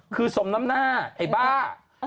คือสมน้ำหน้าไอ้บ้า